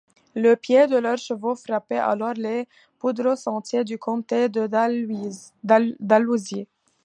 Le pied de leurs chevaux frappait alors les poudreux sentiers du comté de Dalhousie.